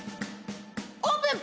オープン！